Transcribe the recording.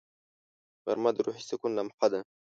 غرمه د روحي سکون لمحه ده